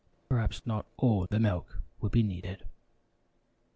(Perhaps not all the milk will be needed.)